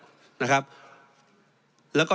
เพราะฉะนั้นโทษเหล่านี้มีทั้งสิ่งที่ผิดกฎหมายใหญ่นะครับ